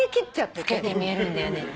老けて見えるんだよね。